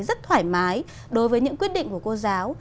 rất thoải mái đối với những quyết định của cô giáo